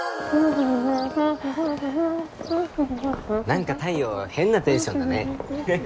何か太陽変なテンションだね。